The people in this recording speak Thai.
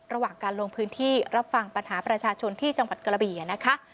ระหว่างการลงพื้นที่รับฟังปัญหาประชาชนที่จังหวัดกระบี่นะคะ